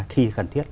khi cần thiết